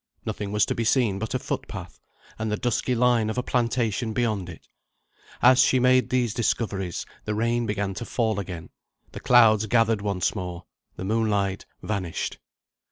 Nothing was to be seen but a footpath, and the dusky line of a plantation beyond it. As she made these discoveries, the rain began to fall again; the clouds gathered once more; the moonlight vanished.